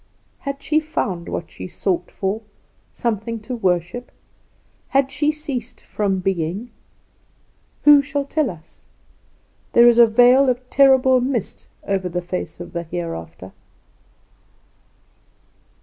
Had she found what she sought for something to worship? Had she ceased from being? Who shall tell us? There is a veil of terrible mist over the face of the Hereafter.